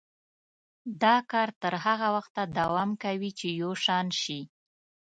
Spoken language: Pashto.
دا کار تر هغه وخته دوام کوي چې یو شان شي.